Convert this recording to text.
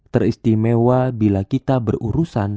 teristimewa bila kita berurusan